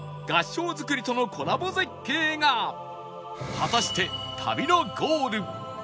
果たして旅のゴール